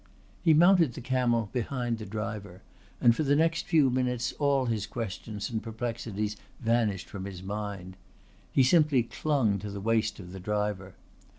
He mounted the camel behind the driver, and for the next few minutes all his questions and perplexities vanished from his mind. He simply clung to the waist of the driver.